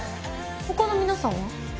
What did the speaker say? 他の皆さんは？